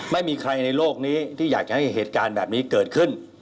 ไม่มีใครในโลกนี้ที่อยากจะให้เหตุการณ์แบบนี้เกิดขึ้น